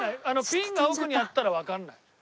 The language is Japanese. ピンが奥にあったらわからない。